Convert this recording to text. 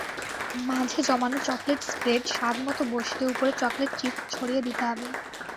মাঝে জমানো chocolate spread স্বাদমতো বসিয়ে ওপরে চকলেট চিপ ছড়িয়ে দিতে হবে।